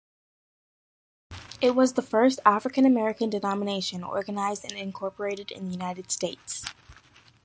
It was the first African-American denomination organized and incorporated in the United States.